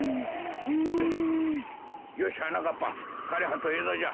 よしはなかっぱかれはとえだじゃ。